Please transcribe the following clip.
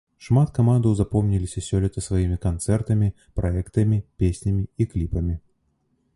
Шмат камандаў запомніліся сёлета сваімі канцэртамі, праектамі, песнямі і кліпамі.